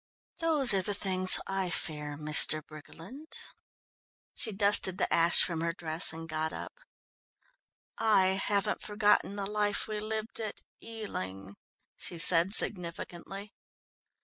Those are the things I fear, Mr. Briggerland." She dusted the ash from her dress and got up. "I haven't forgotten the life we lived at Ealing," she said significantly.